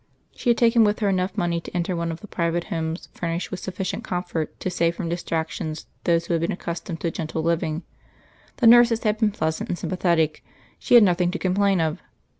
She had taken with her enough money to enter one of the private homes furnished with sufficient comfort to save from distractions those who had been accustomed to gentle living: the nurses had been pleasant and sympathetic; she had nothing to complain of.